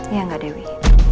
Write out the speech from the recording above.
ya gak dewi